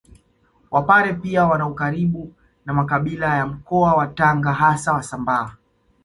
Wapare pia wana ukaribu na makabila ya mkoa wa Tanga hasa Wasambaa